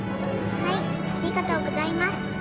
ありがとうございます。